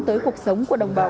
tới cuộc sống của đồng bào